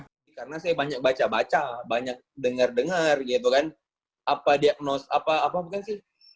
aku corona nih aku bilang sama mama aku mau di repit mau di isolasi lah